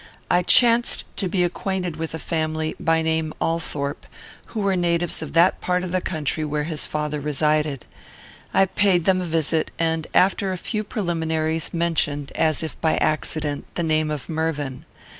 I chanced to be acquainted with a family, by name Althorpe, who were natives of that part of the country where his father resided. I paid them a visit, and, after a few preliminaries, mentioned, as if by accident, the name of Mervyn.